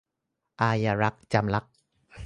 อาญารัก - จำลักษณ์